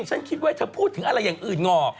ฉันคิดไว้เธอพูดถึงอะไรอย่างอื่นงอ